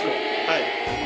はい。